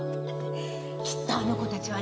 きっとあの子たちはね